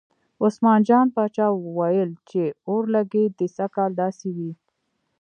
عثمان جان پاچا ویل چې اورلګید دې سږ کال داسې وي.